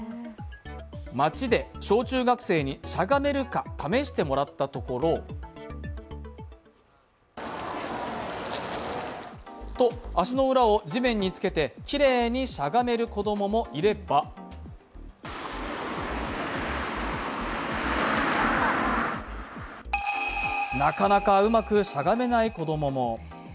街で小中学生にしゃがめるか試してもらったところと、足の裏を地面につけてきれいにしゃがめる子どももいればなかなかうまくしゃがめない子供も。